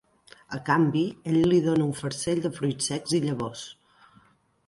A canvi, ell li dona un farcell de fruits secs i llavors.